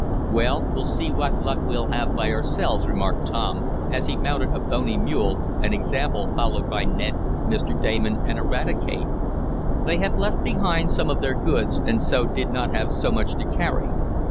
"Well, we'll see what luck we'll have by ourselves," remarked Tom, as he mounted a bony mule, an example followed by Ned, Mr. Damon and Eradicate, They had left behind some of their goods, and so did not have so much to carry.